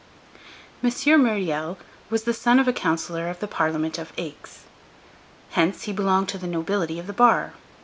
M. Myriel was the son of a councillor of the Parliament of Aix; hence he belonged to the nobility of the bar.